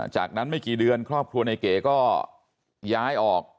จากนั้นไม่กี่เดือนครอบครัวในเก๋ก็ย้ายออก